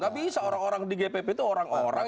tidak bisa orang orang di dkpp itu orang orang